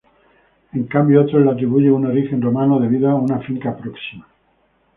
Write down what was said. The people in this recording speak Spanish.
En cambio, otros le atribuyen un origen romano debido a una finca próxima.